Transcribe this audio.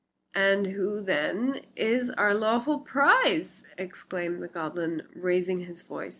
"And who, then, is our lawful prize?" exclaimed the goblin, raising his voice.